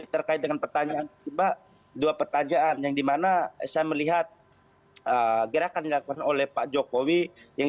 terkait dengan pertanyaan coba dua pertanyaan yang dimana saya melihat gerakan gerakan oleh pak jokowi yang